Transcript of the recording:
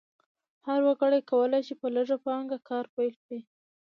هر وګړی کولی شي په لږه پانګه کار پیل کړي.